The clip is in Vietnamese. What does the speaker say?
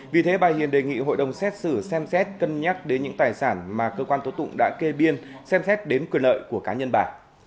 vì thế bà hiền đề nghị hội đồng xét xử xem xét cân nhắc đến những tài sản mà cơ quan tố tụng đã kê biên xem xét đến quyền lợi của cá nhân bà